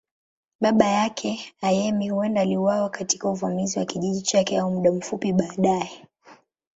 Baba yake, Ayemi, huenda aliuawa katika uvamizi wa kijiji chake au muda mfupi baadaye.